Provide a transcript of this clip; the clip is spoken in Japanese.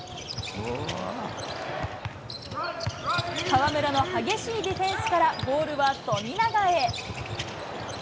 河村の激しいディフェンスから、ボールは富永へ。